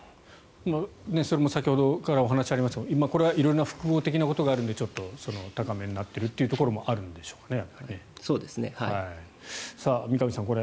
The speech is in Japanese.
それも先ほどからお話がありますがこれは色んな複合的な面もあるので高めになっているというところもあるんでしょうね。